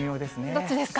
どっちですか。